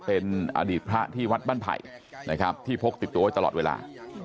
เป็นอดีตพระที่วัดบ้านไผ่นะครับที่พกติดตัวไว้ตลอดเวลา